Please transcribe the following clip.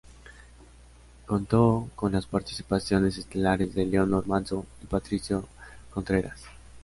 Contó con las participaciones estelares de Leonor Manso y Patricio Contreras.